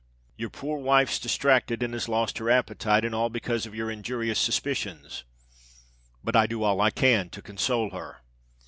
Your poor wife's distracted and has lost her appetite, and all because of your injurious suspicions; but I do all I can to consoul her.